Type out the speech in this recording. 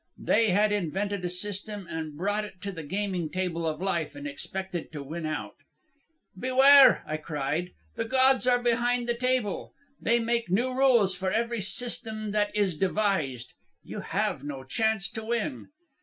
They had invented a system, and brought it to the gaming table of life, and expected to win out. 'Beware!' I cried. 'The gods are behind the table. They make new rules for every system that is devised. You have no chance to win.'